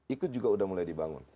itu juga sudah mulai dibangun